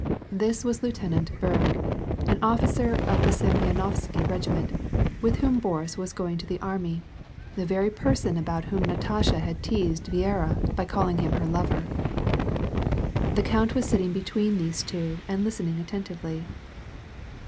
This was Lieutenant Berg, an officer of the Seniyenovsky regiment, with whom Boris was going to the army ; the very person about whom Natasha had teased Viera by calling him her lover. The count was sitting between these two and listening attentively.